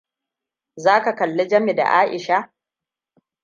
Za ka kalli Jami da Aisha?